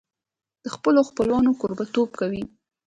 د خپلو خپلوانو کوربهتوب کوي.